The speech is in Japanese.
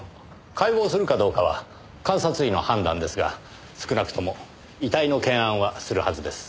解剖するかどうかは監察医の判断ですが少なくとも遺体の検案はするはずです。